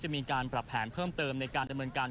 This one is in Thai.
มีการปรับแผนเพิ่มเติมในการดำเนินการ